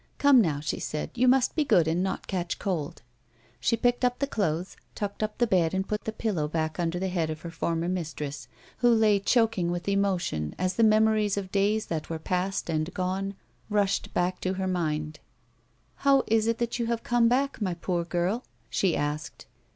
"Come now," she said, " you must be good and not catch cold." She picked up the clothes, tucked up the bed and put the pillow back under the head of her former mistress who lay choking with emotion as the memories of days that were past and gone rushed back to her mind. " How is it you have come back, my poor girl 1 " she asked.